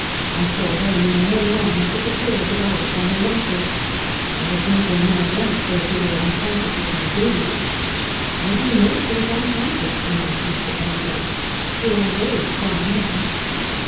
I saw her in my own arms, with the tears of Alys on her lashes. I was making mad love, though she was unconscious of my doing it." "How do you know she was unconscious?" remarked Mr. Penzance. "You are a very strong man."